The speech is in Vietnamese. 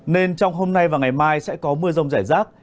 nên trong hôm nay và ngày mai sẽ có mưa rông rải rác